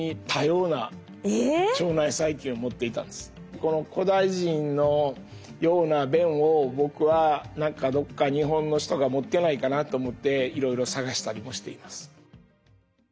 この古代人のような便を僕は何かどこか日本の人が持ってないかなと思っていろいろ探したりもしています。